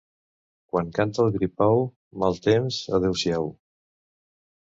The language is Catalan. Quan canta el gripau, mal temps, adeu-siau.